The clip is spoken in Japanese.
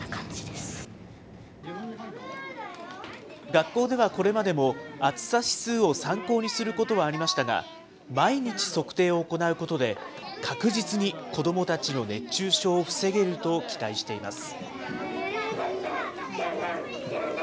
学校ではこれまでも、暑さ指数を参考にすることはありましたが、毎日測定を行うことで、確実に子どもたちの熱中症を防げると期待しています。